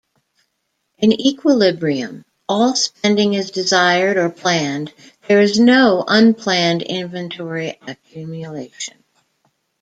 In equilibrium, all spending is desired or planned; there is no unplanned inventory accumulation.